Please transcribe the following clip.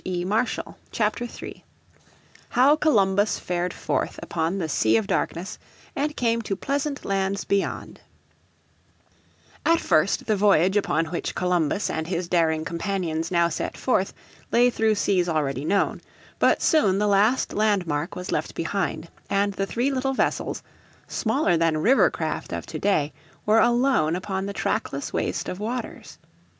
__________ Chapter 3 How Columbus Fared Forth Upon The Sea of Darkness and Came to Pleasant Lands Beyond At first the voyage upon which Columbus and his daring companions now set forth lay through seas already known; but soon the last land mark was left behind, and the three little vessels, smaller than river craft of today, were alone upon the trackless waste of waters.